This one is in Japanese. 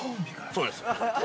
◆そうですよ。